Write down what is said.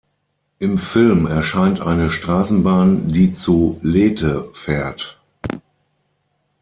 Im Film erscheint eine Straßenbahn, die zu Lethe fährt.